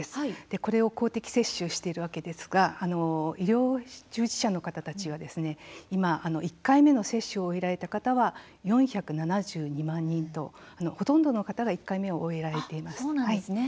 これを公的接種しているわけですが医療従事者の方たちは、今１回目の接種を終えられた方が４７２万人と、ほとんどの方が１回目を終えられています。